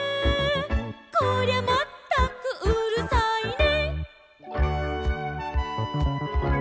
「こりゃまったくうるさいね」